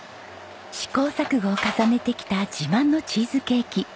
試行錯誤を重ねてきた自慢のチーズケーキ。